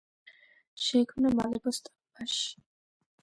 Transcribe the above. შეიქმნა მალებოს ტბაში.